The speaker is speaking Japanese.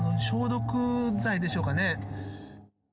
消毒剤でしょうかね。